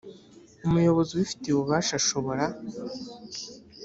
umuyobozi ubifitiye ububasha ashobora